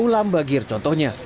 ulam bagir contohnya